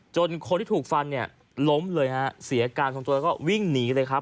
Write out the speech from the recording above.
คนที่ถูกฟันเนี่ยล้มเลยฮะเสียการทรงตัวแล้วก็วิ่งหนีเลยครับ